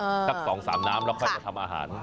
เออสักสองสามน้ำแล้วค่อยจะทำอาหารใช่